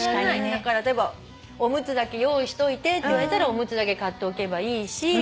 だから例えばおむつだけ用意しといてって言われたらおむつだけ買っておけばいいし。